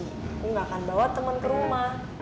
aku gak akan bawa temen ke rumah